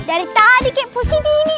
dari tadi kek pusing ini